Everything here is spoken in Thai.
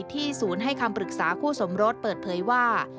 ศูนย์ให้คำปรึกษาคู่สมรสเปิดเผยว่า